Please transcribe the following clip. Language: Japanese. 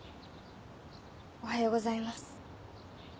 おはようございます。